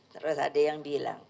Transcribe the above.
terus ada yang bilang